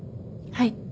はい。